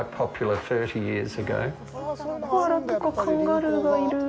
コアラとか、カンガルーがいる！